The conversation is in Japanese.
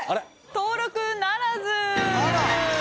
登録ならず！